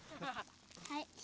はい。